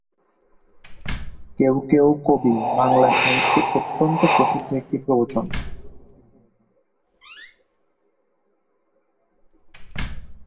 কেউ কেউ কবি’’ বাংলা সাহিত্যে অত্যন্ত প্রসিদ্ধ একটি প্রবচন।